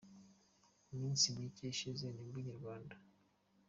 Mu minsi micye ishize, nibwo Inyarwanda.